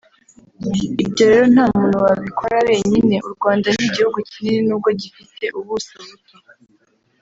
Ibyo rero nta muntu wabikora wenyine; u Rwanda ni igihugu kinini n’ubwo gifite ubuso buto